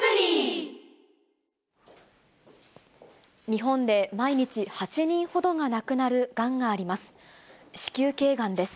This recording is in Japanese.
日本で毎日８人ほどが亡くなるがんがあります。